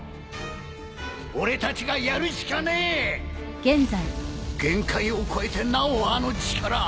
俺たちがやるしかねえ！限界を超えてなおあの力！